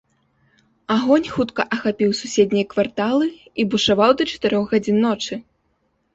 Агонь хутка ахапіў суседнія кварталы і бушаваў да чатырох гадзін ночы.